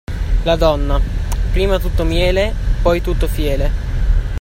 La donna, prima tutto miele, poi tutto fiele.